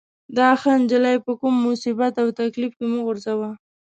دا ښه نجلۍ په کوم مصیبت او تکلیف کې مه غورځوه.